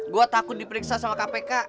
gue takut diperiksa sama kpk